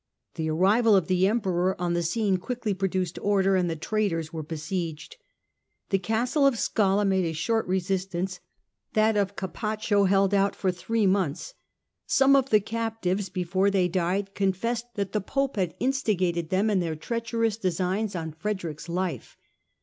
The arrival of the Emperor on the scene quickly pro duced order and the traitors were besieged. The castle of Scala made a short resistance : that of Capaccio held out for three months. Some^of the captives, before they died, confessed that the Pope had instigated them in their treacherous designs on Frederick's life.